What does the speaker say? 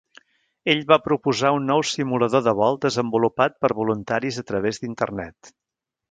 Ell va proposar un nou simulador de vol desenvolupat per voluntaris a través d'Internet.